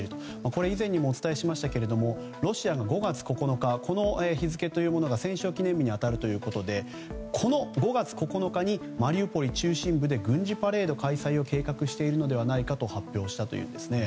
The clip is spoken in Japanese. これは以前にもお伝えしましたがロシアの５月９日はこの日付というものが戦勝記念日に当たるということでこの５月９日にマリウポリ中心部で軍事パレード開催を計画しているのではないかと発表したというんですね。